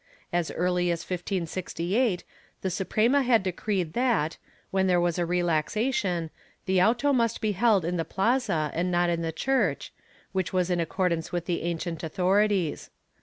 As early as 1568 the Suprema had decreed that, when there was a relaxation, the auto must be held in the plaza and not in a church, which was in accordance with the ancient authori ties.'